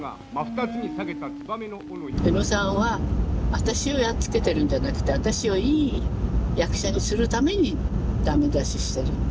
宇野さんは私をやっつけてるんじゃなくて私をいい役者にするためにダメ出ししてるんだ。